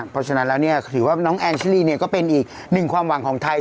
เพราะฉะนั้นแล้วเนี่ยถือว่าน้องแอนชิลีเนี่ยก็เป็นอีกหนึ่งความหวังของไทย